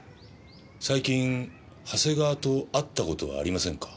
最近長谷川と会った事はありませんか？